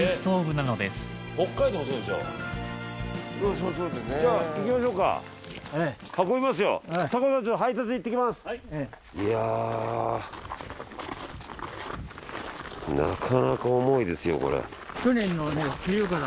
なかなか重いですよこれ。